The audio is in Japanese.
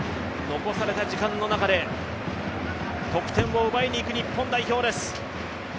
残された時間の中で得点を奪いにいく日本代表です。